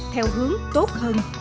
theo hướng tốt hơn